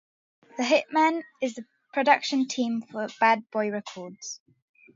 The Hitmen is the production team for Bad Boy Records.